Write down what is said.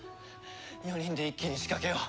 ４人で一気に仕掛けよう。